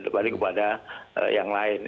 terbalik kepada yang lain